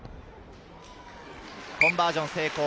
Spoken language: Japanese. コンバージョン成功！